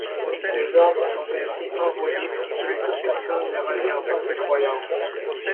Des ordres sont ainsi envoyés pour tuer toute personne ne reniant pas ses croyances.